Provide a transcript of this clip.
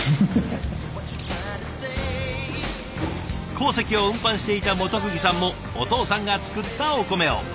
鉱石を運搬していた本釘さんもお父さんが作ったお米を。